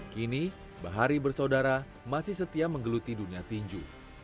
kini bahari bersaudara masih setia menggeluti dunia tinju